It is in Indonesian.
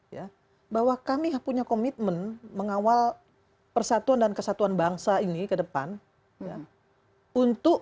dia bahwa kami yang punya komitmen mengawal persatuan dan kesatuan bangsa ini kedepan untuk